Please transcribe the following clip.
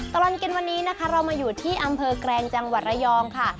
ตลอดกินวันนี้นะคะเรามาอยู่ที่อำเภอแกรงจังหวัดระยองค่ะ